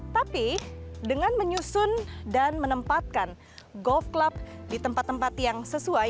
tapi dengan menyusun dan menempatkan golf club di tempat tempat yang sesuai